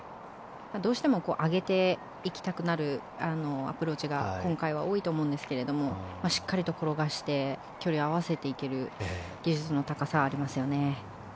どうしても上げていきたくなるアプローチが今回は多いと思うんですけどもしっかりと転がして距離を合わせていける技術の高さがありますよね。